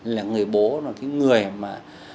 là người bố là cái người mà